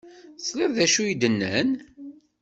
Tesliḍ d acu i d-nnan?